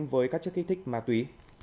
cơ quan chức kích thích mà tùy